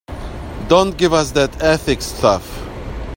Don't give us that ethics stuff.